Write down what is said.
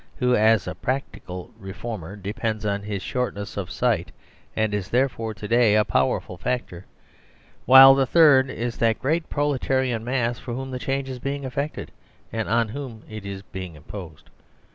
who as a "practical " reformer depends on his shortness of sight, and is therefore to day a powerful factor; while the third is that great proletarian mass for whom the change is being effected, and on whom it is being im posed.